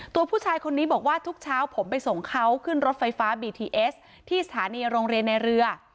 ตัวผู้ชายคนนี้บอกว่าทุกเช้าผมไปส่งเขาขึ้นรถไฟฟ้าบีทีเอสที่สถานีโรงเรียนในเรือ